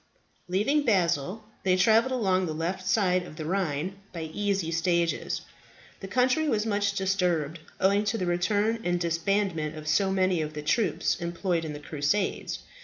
Leaving Basle, they travelled along the left side of the Rhine by easy stages. The country was much disturbed, owing to the return and disbandment of so many of the troops employed in the Crusades.